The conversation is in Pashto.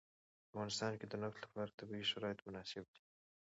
په افغانستان کې د نفت لپاره طبیعي شرایط مناسب دي.